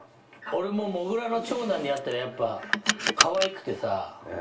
俺ももぐらの長男に会ったらやっぱかわいくてさ。